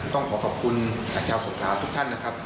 ต้องขอขอบคุณชาวสงคราวทุกท่านนะครับ